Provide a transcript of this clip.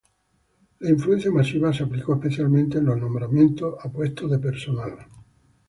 La influencia masiva se aplicó especialmente en los nombramientos a puestos de personal.